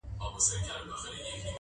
زموږ يقين دئ عالمونه به حيران سي٫